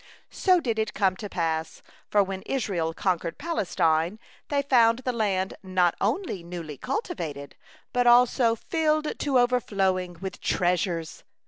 So did it come to pass, for when Israel conquered Palestine, they found the land not only newly cultivated, but also filled to overflowing with treasures.